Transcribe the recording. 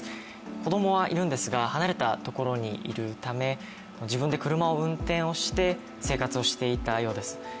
子供はいるんですが離れたところにいるため自分で車を運転をして生活をしていたようです。